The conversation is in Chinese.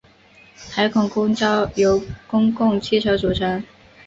海口公交由公共汽车组成。